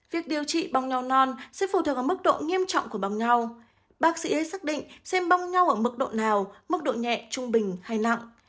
việc điều trị bong nho non sẽ phụ thuộc vào mức độ nghiêm trọng của bong nho bác sĩ sẽ xác định xem bong nho ở mức độ nào mức độ nhẹ trung bình hay nặng